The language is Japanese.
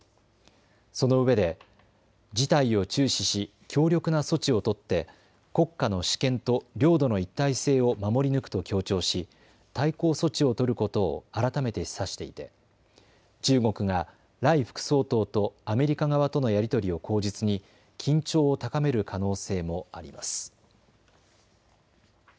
そのうえで事態を注視し強力な措置を取って国家の主権と領土の一体性を守り抜くと強調し対抗措置を取ることを改めて示唆していて中国が頼副総統とアメリカ側とのやり取りを口実に緊張を高める可能性もあります。